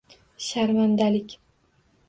Sharmandalik?